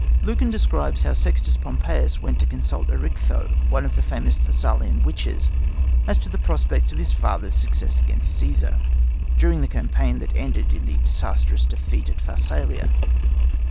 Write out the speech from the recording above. Lucan describes how Sextus Pompeius went to consult Erichtho, one of the famous Thessalian witches, as to the prospects of his father's success against Cæsar, during the campaign that ended in the disastrous defeat at Pharsalia.